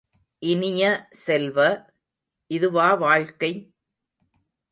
இனிய செல்வ, இதுவா வாழ்க்கை?